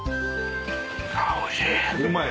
あおいしい！